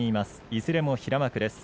いずれも平幕です。